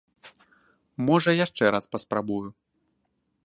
Можа яшчэ раз паспрабую.